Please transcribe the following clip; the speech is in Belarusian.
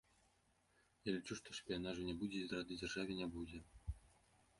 Я лічу, што шпіянажу не будзе і здрады дзяржаве не будзе.